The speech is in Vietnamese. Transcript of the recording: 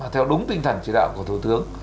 theo đúng tinh thần chỉ đạo của thủ tướng